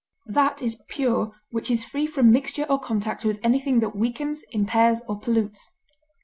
That is pure which is free from mixture or contact with anything that weakens, impairs, or pollutes.